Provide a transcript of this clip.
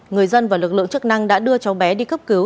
người dân và lực lượng chức năng đã đưa cháu bé đi cấp cứu